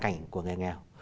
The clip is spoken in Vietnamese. cái cảnh của nghề nghèo